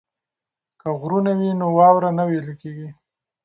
که غرونه وي نو واوره نه ویلی کیږي.